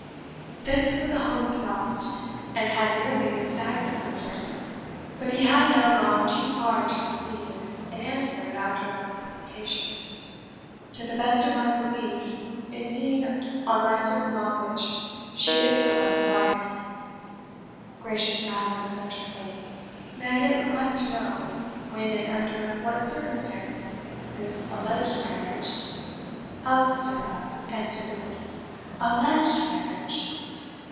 This was a home thrust, and had nearly staggered Leicester. But he had now gone too far to recede, and answered, after a moment's hesitation, "To the best of my belief indeed on my certain knowledge she is a wedded wife." "Gracious madam," said Tressilian, "may I yet request to know, when and under what circumstances this alleged marriage " "Out, sirrah," answered the Queen; "ALLEGED marriage!